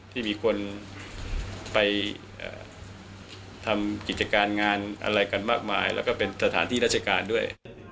ที่มีคนไปทำกิจการงานอะไรกันมากมายแล้วก็เป็นสถานที่ราชการด้วย